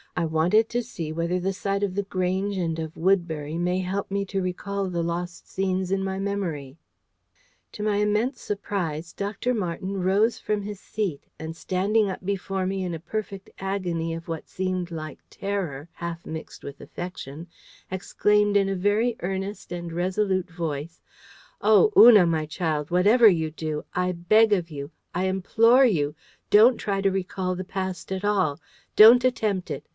I wanted to see whether the sight of The Grange and of Woodbury may help me to recall the lost scenes in my memory." To my immense surprise, Dr. Marten rose from his seat, and standing up before me in a perfect agony of what seemed like terror, half mixed with affection, exclaimed in a very earnest and resolute voice: "Oh, Una, my child, whatever you do I beg of you I implore you don't try to recall the past at all! Don't attempt it!